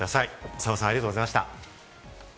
澤さん、ありがとうございました。